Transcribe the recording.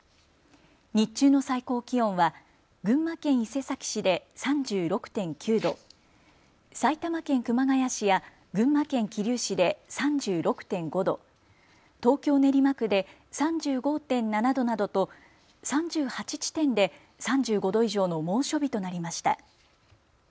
日中の最高気温は群馬県伊勢崎市で３６．９度、埼玉県熊谷市や群馬県桐生市で３６．５度、東京練馬区で３５．７度などと３８地点で３５度以上の猛暑日となりました。